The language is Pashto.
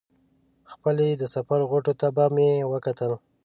خپلې د سفر غوټو ته به مې وکتل.